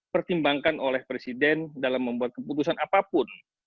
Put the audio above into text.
pertimbangkan oleh presiden dalam membuat keputusan apapun